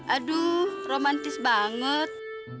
aduh romantis banget